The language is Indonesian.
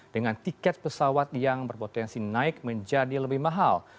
dengan tiket pesawat yang berpotensi naik menjadi lebih mahal